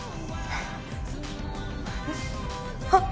あっ。